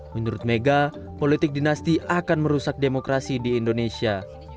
menurut mega politik dinasti akan merusak demokrasi di indonesia